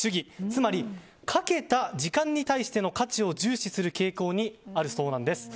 つまり、かけた時間に対しての価値を重視する傾向にあるそうなんです。